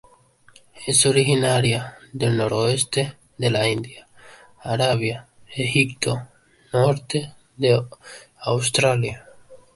Es originaria del noroeste de la India, Arabia, Egipto, Norte de Australia.